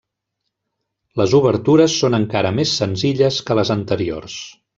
Les obertures són encara més senzilles que les anteriors.